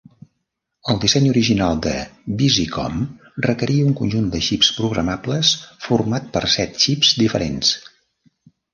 El disseny original de Busicom requeria un conjunt de xips programables format per set xips diferents.